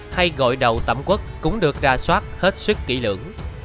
hay gọi đầu tẩm quốc cũng được ra soát hết sức kỹ lưỡng